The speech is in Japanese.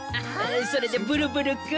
それでブルブルくん。